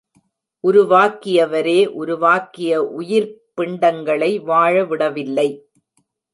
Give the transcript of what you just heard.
உருவாக்கியவரே, உருவாக்கிய உயிர்ப்பிண்டங்களை வாழ விடவில்லை!